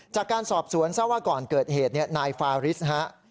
จากการสอบสวนทราบว่าก่อนเกิดเหตุนายฟาริสฮะ